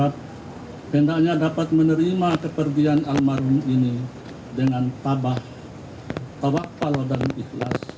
pada saat pengusungan jenazah